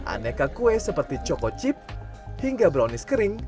aneka kue seperti choco chip hingga brownies kering